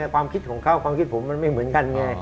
ความคิดของเขาความคิดผมมันไม่เหมือนกันไง